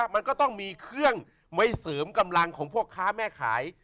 มันก็ต้องมีเครื่องไว้เสริมกำลังของพ่อค้าแม่ขาย